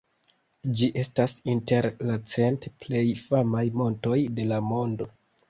Ĝi estas inter la cent plej famaj montoj de la lando.